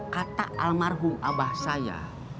kata almarhum abah saya